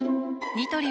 ニトリ